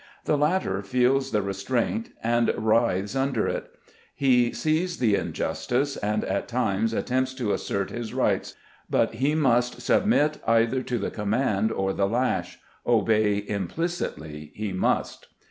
The latter feels the restraint and writhes under it ; he sees the injustice, and at times attempts to assert his rights; but he must submit either to the command or the lash ; obey implicitly he must.